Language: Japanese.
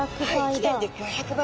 １年で５００倍。